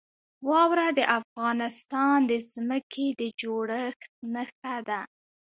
واوره د افغانستان د ځمکې د جوړښت نښه ده.